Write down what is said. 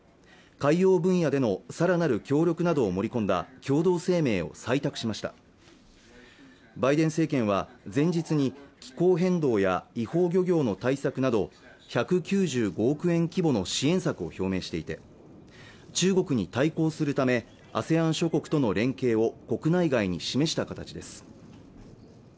海洋分野でのさらなる協力などを盛り込んだ共同声明を採択しましたバイデン政権は前日に気候変動や違法漁業の対策など１９５億円規模の支援策を表明していて中国に対抗するためＡＳＥＡＮ諸国との連携を国内外に示した形です